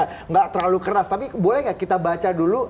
tidak terlalu keras tapi boleh nggak kita baca dulu